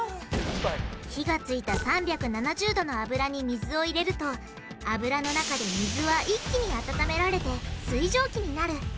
火がついた３７０℃の油に水を入れると油の中で水は一気に温められて水蒸気になる。